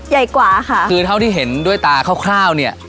ใหญ่กว่าค่ะคือเท่าที่เห็นด้วยตาคร่าวเนี่ย